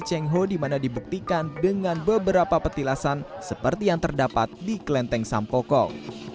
cengho dimana dibuktikan dengan beberapa petilasan seperti yang terdapat di klenteng sampokok